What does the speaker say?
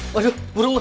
waduh burung gue